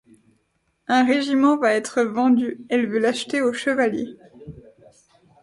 Un régiment va être vendu, elle veut l’acheter au chevalier.